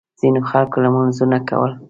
ځینو خلکو لمونځونه کول.